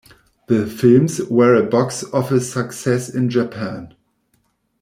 The films were a box office success in Japan.